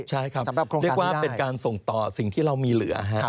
ใช่ครับเรียกว่าเป็นการส่งต่อสิ่งที่เรามีเหลือ